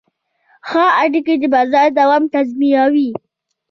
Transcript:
ښه اړیکې د بازار دوام تضمینوي.